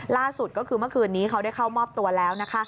ล่าสุดก็คือเมื่อคืนนี้เขาได้เข้ามอบตัวแล้วนะคะ